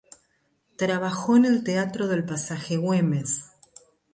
Trabajó en el teatro del Pasaje Güemes.